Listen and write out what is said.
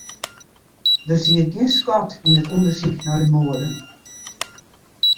Der siet gjin skot yn it ûndersyk nei de moarden.